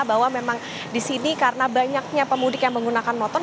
bahwa memang di sini karena banyaknya pemudik yang menggunakan motor